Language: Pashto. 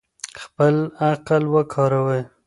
خپل عقل وکاروئ.